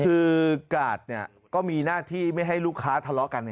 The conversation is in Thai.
คือกาดก็มีหน้าที่ไม่ให้ลูกค้าทะเลาะกัน